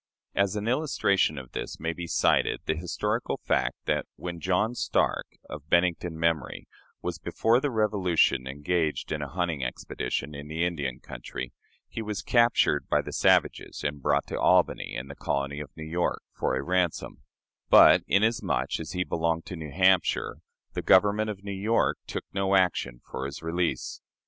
As an illustration of this may be cited the historical fact that, when John Stark, of Bennington memory, was before the Revolution engaged in a hunting expedition in the Indian country, he was captured by the savages and brought to Albany, in the colony of New York, for a ransom; but, inasmuch as he belonged to New Hampshire, the government of New York took no action for his release.